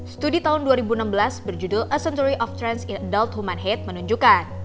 studi tahun dua ribu enam belas berjudul a century of trans adult human hate menunjukkan